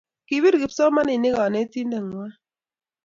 Kibir kipsomaninik konetinde ng'wany